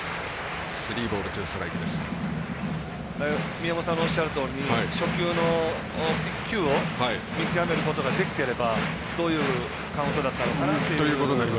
宮本さんのおっしゃるとおり初球の１球を見極めることができていれば、どういうカウントだったのかなという。